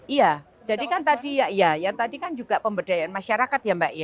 iya jadi kan tadi juga pemberdayaan masyarakat ya mbak